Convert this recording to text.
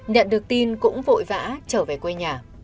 nhận được tin cũng vội vã trở về quê nhà